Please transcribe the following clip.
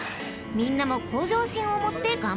［みんなも向上心を持って頑張ろう］